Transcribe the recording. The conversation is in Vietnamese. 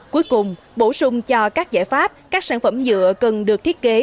cuối cùng bổ sung cho các giải pháp các sản phẩm dựa cần được thiết kế